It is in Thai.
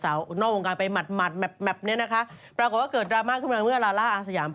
แล้วใครล่ะก่ออ่านั่นแหละ